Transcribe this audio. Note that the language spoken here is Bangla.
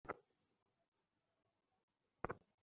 মা, আমার জুতো কোথায় রেখেছ তোমার ঘরেই আছে ঘরে কোথায় মা?